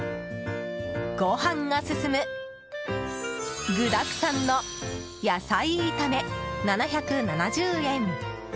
ご飯が進む具だくさんの野菜炒め、７７０円。